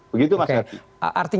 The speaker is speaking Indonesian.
begitu mas gerti